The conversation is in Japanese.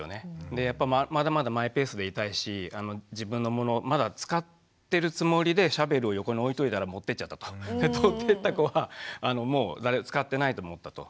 でまだまだマイペースでいたいし自分のものまだ使ってるつもりでシャベルを横に置いといたら持ってっちゃったと。取ってった子はもう使ってないと思ったと。